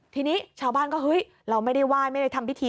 ทีนี้ชาวบ้านก็เฮ้ยเราไม่ได้ไหว้ไม่ได้ทำพิธี